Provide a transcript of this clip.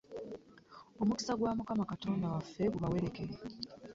Omukisa gwa Mukama Katonda waffe gubawerekere.